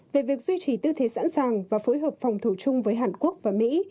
về việc duy trì tư thế sẵn sàng và phối hợp phòng thủ chung với hàn quốc và mỹ